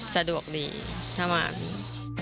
สะดวกดีทั้งหมด